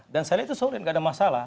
dan saya lihat itu solid nggak ada masalah